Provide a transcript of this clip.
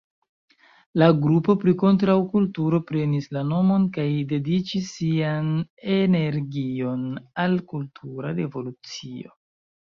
La grupo pri kontraŭkulturo prenis la nomon kaj dediĉis sian energion al "kultura revolucio".